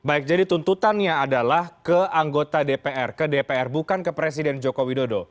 baik jadi tuntutannya adalah ke anggota dpr ke dpr bukan ke presiden joko widodo